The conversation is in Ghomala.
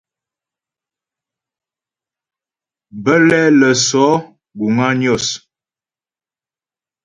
Bə́lɛ lə́ sɔ̌ guŋ á Nyos.